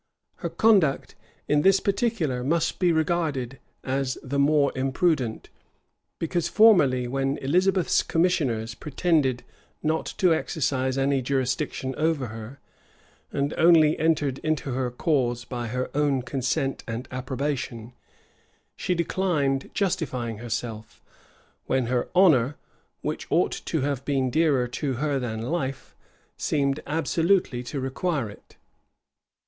Her conduct in this particular must be regarded as the more imprudent; because formerly, when Elizabeth's commissioners pretended not to exercise any jurisdiction over her, and only entered into her cause by her own consent and approbation, she declined justifying herself, when her honor, which ought to have been dearer to her than life, seemed absolutely to require it.